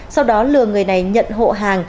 sau đó lừa người này nhận hộ hàng